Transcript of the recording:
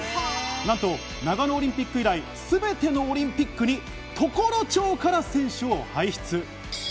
なんと長野オリンピック以来、すべてのオリンピックに常呂町から選手を輩出。